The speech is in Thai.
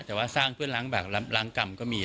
แต่ว่าสร้างเพื่อล้างบากล้างกรรมก็มี